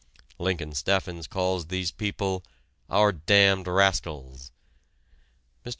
Lincoln Steffens calls these people "our damned rascals." Mr.